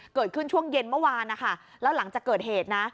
เกิดขึ้นช่วงเย็นเมื่อวานนะคะแล้วหลังจากเกิดเหตุนะ